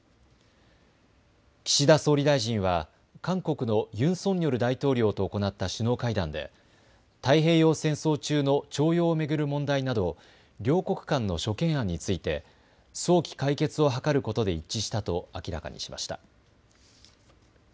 岸田総理大臣は韓国のユン・ソンニョル大統領と行った首脳会談で太平洋戦争中の徴用を巡る問題など両国間の諸懸案について早期解決を図ることで一致したと明らかにしました。